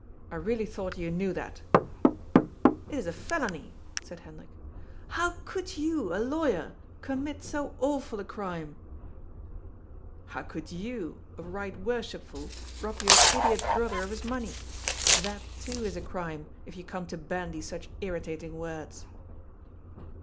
I really thought you knew that" " It is a felony," said Hendrik. " How could you, a lawyer, commit so awful a crime ?"" How could you, a Eight Worshipful, rob your idiot brother of his money ? That, too, is a crime, if you come to bandy such irritating words."